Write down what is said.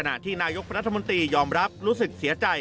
ขณะที่นายกพระนัทมนตรียอมรับรู้สึกเสียใจ